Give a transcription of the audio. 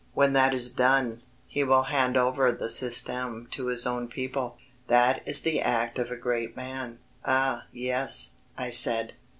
When that is done, he will hand over the Système to his own people. That is the act of a great man." "Ah, yes," I said.